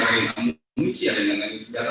mengandung misi ada yang mengandung senjata